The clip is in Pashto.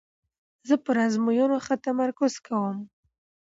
زه پر آزموینو ښه تمرکز کوم.